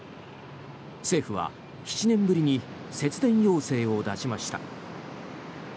政府は７年ぶりに節電要請を出しました。